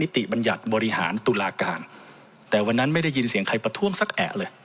ติบัญญัติบริหารตุลาการแต่วันนั้นไม่ได้ยินเสียงใครประท้วงสักแอะเลย